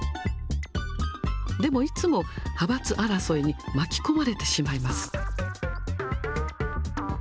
でもいつも派閥争いに巻き込まれてしまいます。